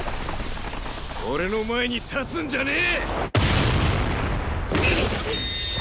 俺の前に立つんじゃねえ！